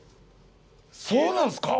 そうなんですか？